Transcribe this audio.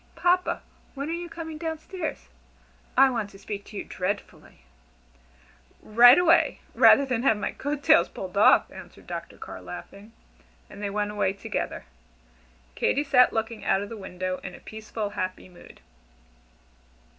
Papa, when are you coming down stairs? I want to speak to you dreadfully." "Right away rather than have my coat tails pulled off," answered Dr. Carr, laughing, and they went away together. Katy sat looking out of the window in a peaceful, happy mood.